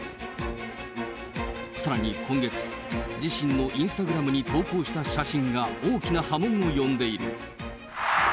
さらに今月、自身のインスタグラムに投稿した写真が大きな波紋を呼んでいる。